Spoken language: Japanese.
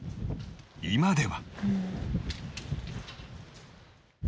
今では